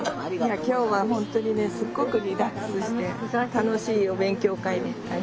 今日はホントにねすごくリラックスして楽しいお勉強会になりました。